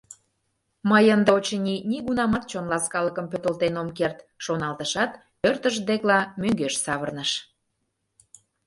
«Мый ынде, очыни, нигунамат чон ласкалыкым пӧртылтен ом керт, — шоналтышат, пӧртышт декла мӧҥгеш савырныш.